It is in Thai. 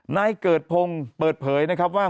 นายเกิดพงศ์เปิดเผยนะครับว่า